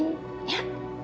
tante teh suapin ya